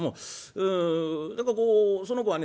うんやっぱこうその子はね